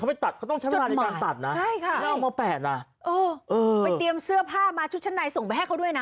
ไปเตรียมเสื้อผ้ามาชุดช่างในส่งไปให้เค้าด้วยนะ